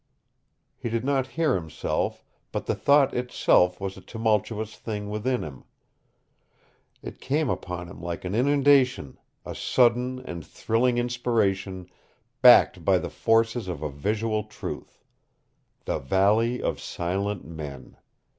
He did not hear himself, but the thought itself was a tumultuous thing within him. It came upon him like an inundation, a sudden and thrilling inspiration backed by the forces of a visual truth. THE VALLEY OF SILENT MEN.